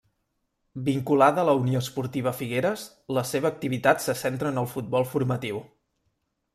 Vinculada a la Unió Esportiva Figueres, la seva activitat se centra en el futbol formatiu.